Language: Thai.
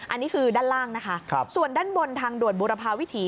อันนี้คือด้านล่างนะคะส่วนด้านบนทางด่วนบุรพาวิถี